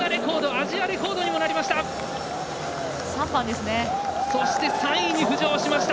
アジアレコードにもなりました！